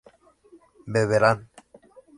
beberán